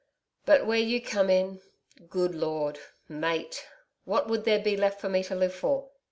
But where YOU come in Good Lord! Mate! What would there be left for me to live for?'